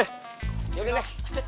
mbak be jalan dulu ya